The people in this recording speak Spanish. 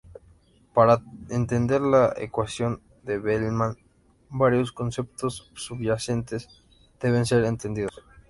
Para entender la ecuación de Bellman, varios conceptos subyacentes deben ser entendidos.